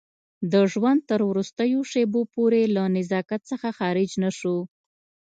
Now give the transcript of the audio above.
د ژوند تر وروستیو شېبو پورې له نزاکت څخه خارج نه شو.